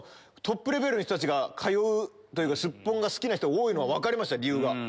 トップレベルの人たちが通うというかすっぽんが好きな人が多いのが分かりました理由が。